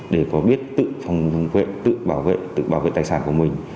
để có biết tự vệ tự bảo vệ tự bảo vệ tài sản của mình